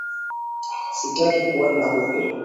Sitaki kuenda huko